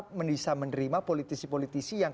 bisa menerima politisi politisi yang